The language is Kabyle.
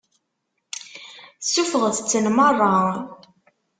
Suffɣet-ten meṛṛa.